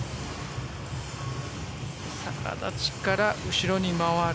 逆立ちから後ろに回る。